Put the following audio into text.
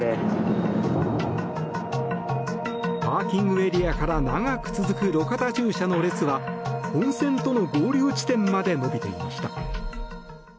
パーキングエリアから長く続く路肩駐車の列は本線との合流地点まで伸びていました。